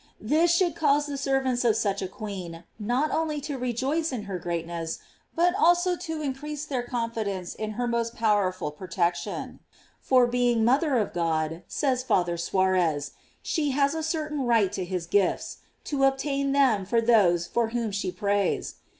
This should cause the servants of such a queen not only to rejoice in her greatness, but also to in crease their confidence in her most powerful pro tection; for, being mother of God, says Father Suarez, she has a certain right to his gifts, to ob tain them for those for whom she prays.